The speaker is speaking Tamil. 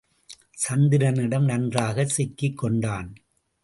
சந்திரனிடம் நன்றாக சிக்கிக் கொண்டான்.